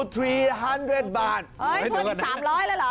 เท่านั้นอีก๓๐๐บาทแล้วหรือ